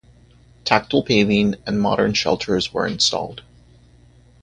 Tactile paving and modern shelters were installed.